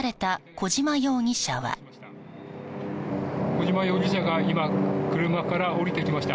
小島容疑者が今、車から降りてきました。